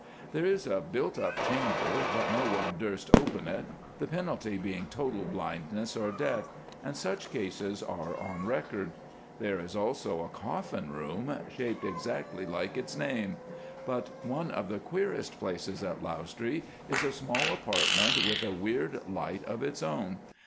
"There is a built up chamber, but no one durst open it, the penalty being total blindness or death, and such cases are on record. There is also a coffin room shaped exactly like its name; but one of the queerest places at Lausdree is a small apartment with a weird light of its own.